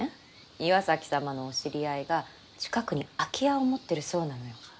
岩崎様のお知り合いが近くに空き家を持ってるそうなのよ。